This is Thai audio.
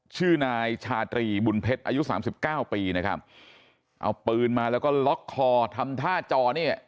ชื่อนายชาตรีบุญเพชรอายุสามสิบเก้าปีนะครับเอาปืนมาแล้วก็ล็อกคอทำท่าจอเนี่ย